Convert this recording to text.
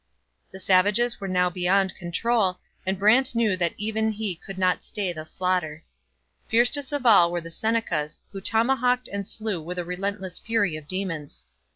The savages were now beyond control, and Brant knew that even he could not stay the slaughter. Fiercest of all were the Senecas, who tomahawked and slew with the relentless fury of demons.